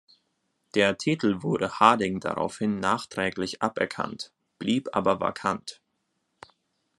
Der Titel wurde Harding daraufhin nachträglich aberkannt, blieb aber vakant.